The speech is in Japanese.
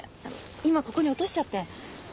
今ここに落としちゃって。